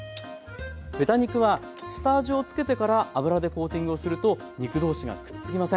豚肉は下地をつけてから油でコーティングをすると肉同士がくっつきません。